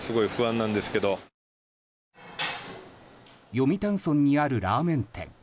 読谷村にあるラーメン店。